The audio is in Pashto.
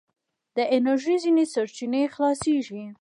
د انرژي ځينې سرچينې خلاصیږي.